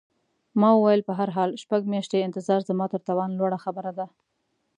ما وویل: په هر حال، شپږ میاشتې انتظار زما تر توان لوړه خبره ده.